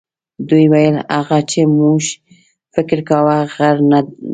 دوی ویل هغه چې موږ فکر کاوه غر نه دی.